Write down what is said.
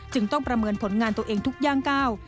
ต้องประเมินผลงานตัวเองทุกย่างก้าว